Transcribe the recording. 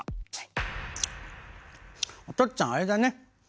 おとっつぁんあれだね。